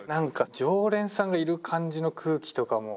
常連さんがいる感じの空気とかも。